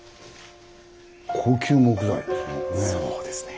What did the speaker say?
高級木材ですもんね。